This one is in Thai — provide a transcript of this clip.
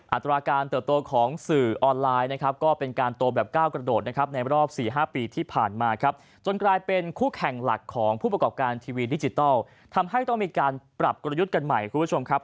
อัตราการเติบโตของสื่อออนไลน์นะครับก็เป็นการโตแบบก้าวกระโดดนะครับในรอบ๔๕ปีที่ผ่านมาครับจนกลายเป็นคู่แข่งหลักของผู้ประกอบการทีวีดิจิทัลทำให้ต้องมีการปรับกลยุทธ์กันใหม่คุณผู้ชมครับ